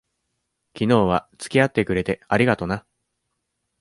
昨日は付き合ってくれて、ありがとな。